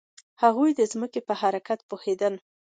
هغوی د ځمکې په حرکت پوهیدل.